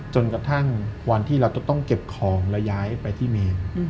จนกระทั่งวันที่เราจะต้องเก็บของแล้วย้ายไปที่เมน